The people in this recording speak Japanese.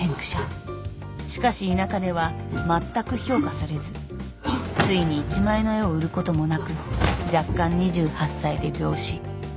「しかし田舎ではまったく評価されずついに一枚の絵を売ることもなく弱冠２８歳で病死」